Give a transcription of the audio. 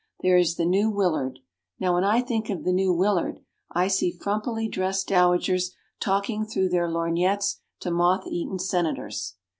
There is the New Willard. Now when I think of the New Willard, I see frumpily dressed dowagers talking through their lorgnettes to moth eaten senators.